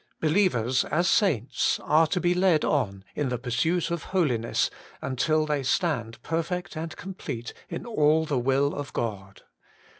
Believers as saints are to be led on in the pursuit of holiness until they ' stand perfect and com plete in all the will of God.'